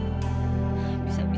tempat apa tadi